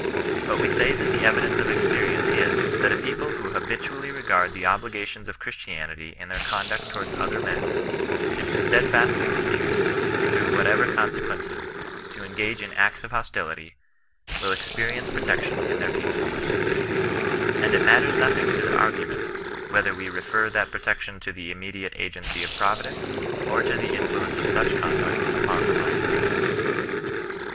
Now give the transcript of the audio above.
But we say that the evidence of experience is, that n people who habitually regard the obligations of Chiistianity in their conduct towards other men, and who itcsdfastly refuse, through whatever consequence!, to engage in acts of hostility, wiH ^.fptrieiice protection in their pmeefulnen. And it matters nothing to the argo ment, whether wo refer that protection to die immediate agency of Providence, or to Uke influence of such conduct upon the minds of men.